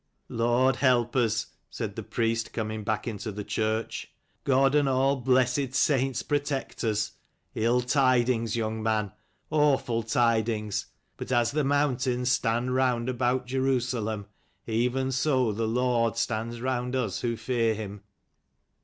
" Lord help us," said the priest coming back into the church: "God and all blessed Saints protect us. Ill tidings, young man. Awful tidings. But as the mountains stand round about Jerusalem, even so the Lord stands round us who fear him."